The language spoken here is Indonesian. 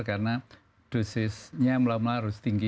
karena dosisnya mula mula harus tinggi